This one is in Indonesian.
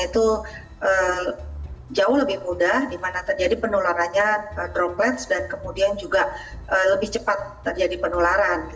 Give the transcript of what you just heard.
itu jauh lebih mudah di mana terjadi penularannya droplets dan kemudian juga lebih cepat terjadi penularan